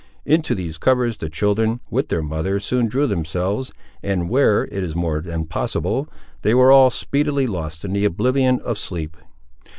Into these covers the children, with their mother, soon drew themselves, and where, it is more than possible, they were all speedily lost in the oblivion of sleep.